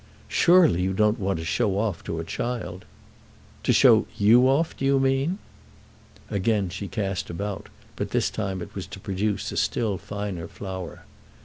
"Surely you don't want to show off to a child?" "To show you off, do you mean?" Again she cast about, but this time it was to produce a still finer flower.